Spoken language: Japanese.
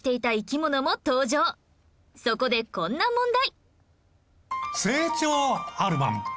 そこでこんな問題